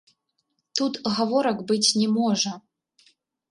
Тут гаворак быць не можа.